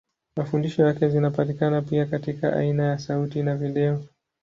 Mafundisho yake zinapatikana pia katika aina ya sauti na video.